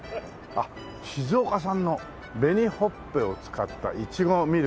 あっ静岡産の紅ほっぺを使ったいちごミルク。